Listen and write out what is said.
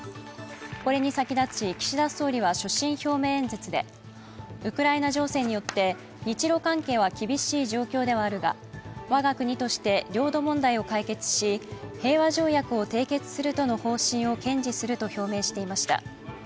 これに先立ち岸田総理は所信表明演説でウクライナ情勢によって日ロ関係は厳しい状況ではあるが我が国として領土問題を解決し、平和条約を締結するとの方針を堅持すると表明していました。